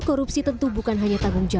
korupsi tentu bukan hanya untuk pemerintah